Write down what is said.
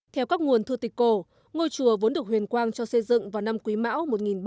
theo các nguồn thư tịch cổ ngôi chùa vốn được huyền quang cho xây dựng vào năm quý mão một nghìn ba trăm linh